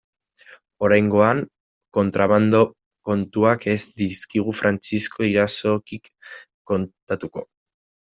Oraingoan kontrabando kontuak ez dizkigu Frantzisko Irazokik kontatuko.